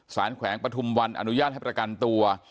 แขวงปฐุมวันอนุญาตให้ประกันตัว